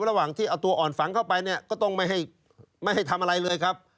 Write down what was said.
หลังเข้าไปเนี่ยก็ต้องไม่ให้ไม่ให้ทำอะไรเลยครับ